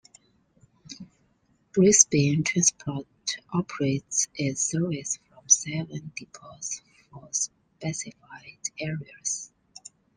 Brisbane Transport operates its services from seven depots for specified areas.